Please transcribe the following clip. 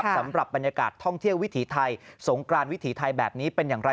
สำหรับบรรยากาศท่องเที่ยววิถีไทยสงกรานวิถีไทยแบบนี้เป็นอย่างไร